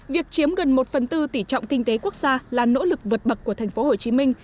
việc chiếm gần một phần tư tỉ trọng kinh tế quốc gia là nỗ lực vượt bậc của thành phố hồ chí minh